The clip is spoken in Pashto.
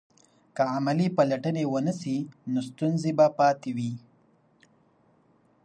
که عملي پلټنې ونه سي نو ستونزې به پاتې وي.